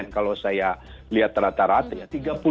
kalau saya lihat rata rata ya